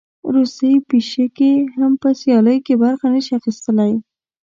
روسۍ پیشکې هم په سیالیو کې برخه نه شي اخیستلی.